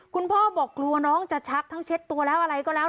คุณพ่อบอกกลัวน้องจะชักทั้งเช็ดตัวแล้วอะไรก็แล้ว